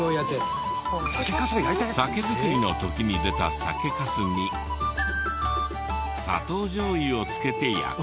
酒造りの時に出た酒粕に砂糖醤油をつけて焼く。